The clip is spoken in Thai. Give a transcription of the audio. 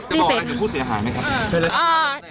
จะบอกอะไรกับผู้เสียหายไหมคะ